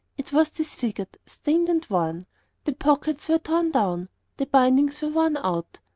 It was disfigured, stained and worn. The pockets were torn down. The bindings were worn out.